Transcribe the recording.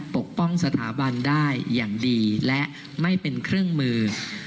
ปกป้องสถาบันได้อย่างดีและไม่เป็นเครื่องมือ